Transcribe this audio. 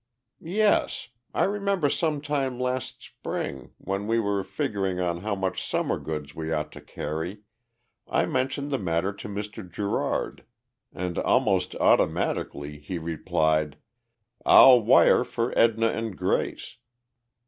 "Yes. I remember sometime last spring, when we were figuring on how much summer goods we ought to carry, I mentioned the matter to Mr. Gerard, and almost automatically he replied, 'I'll wire for Edna and Grace.'